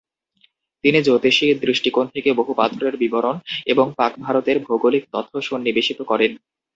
তিনি জ্যোতিষী দৃষ্টিকোণ থেকে বহু পাথরের বিবরণ এবং পাক-ভারতের ভৌগোলিক তথ্য সন্নিবেশিত করেন।